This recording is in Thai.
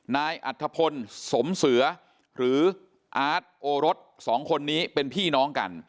นายอัธพลสมเสือหรืออาร์ตโอรสสองคนนี้เป็นพี่น้องกัน